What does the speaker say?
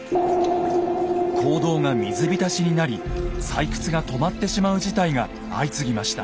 坑道が水浸しになり採掘が止まってしまう事態が相次ぎました。